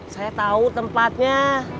saya tahu tempatnya